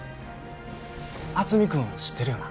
渥美君知ってるよな？